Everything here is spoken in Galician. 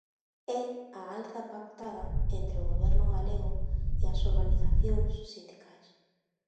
É a alza pactada entre o Goberno galego e as organizacións sindicais.